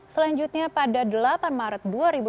selanjutnya pada delapan maret dua ribu dua puluh